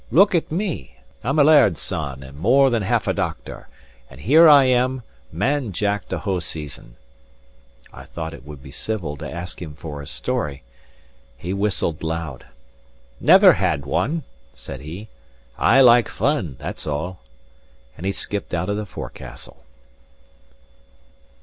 Look at me: I'm a laird's son and more than half a doctor, and here I am, man Jack to Hoseason!" I thought it would be civil to ask him for his story. He whistled loud. "Never had one," said he. "I like fun, that's all." And he skipped out of the forecastle.